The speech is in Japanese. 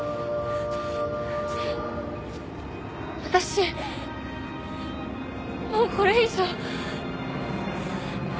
私もうこれ以上。